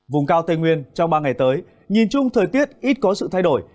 vùng cao tây nguyên trong ba ngày tới nhìn chung thời tiết ít có sự thay đổi